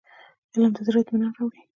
علم د زړه اطمينان راوړي.